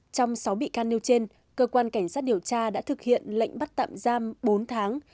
trong sáu bị can nêu trên cơ quan cảnh sát điều tra đã thực hiện lệnh bắt tạm giam bốn tháng